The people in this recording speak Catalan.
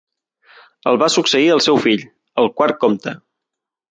El va succeir el seu fill, el quart comte.